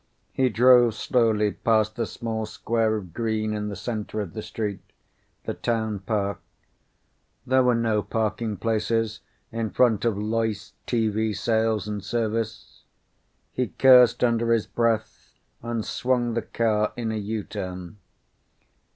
He drove slowly past the small square of green in the center of the street, the town park. There were no parking places in front of LOYCE TV SALES AND SERVICE. He cursed under his breath and swung the car in a U turn.